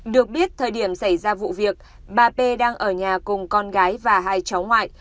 được biết thời điểm xảy ra vụ việc bà p đang ở nhà cùng con gái và hai cháu ngoại